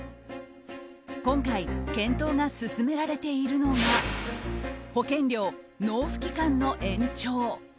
今回、検討が進められているのが保険料納付期間の延長。